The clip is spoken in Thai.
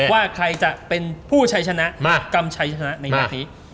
ว่าใครจะเป็นผู้ใช้ชนะกรรมใช้ชนะในหนักนี้